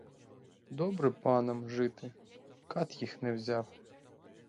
Добре панам жити, кат їх не взяв!